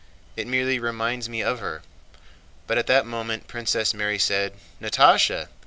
It merely reminds me of her." But at that moment Princess Mary said, "Natásha!"